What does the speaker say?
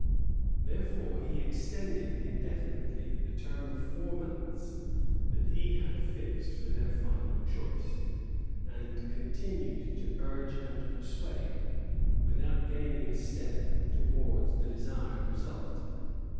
Therefore he extended indefinitely the term of four months, that he had fixed for their final choice, and continued to urge and persuade, without gaining a step towards the desired result.